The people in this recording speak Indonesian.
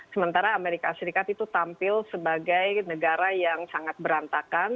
sementara amerika serikat itu tampil sebagai negara yang sangat berantakan